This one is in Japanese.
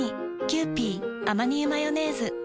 「キユーピーアマニ油マヨネーズ」